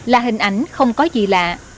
là hình ảnh không có gì lạ